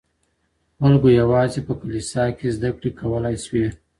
خلګو يوازې په کليسا کي زده کړې کولای سوې.